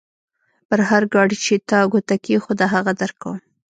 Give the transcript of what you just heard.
پر هر ګاډي چې تا ګوته کېښوده؛ هغه درکوم.